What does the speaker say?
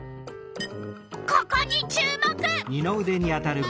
ここに注目！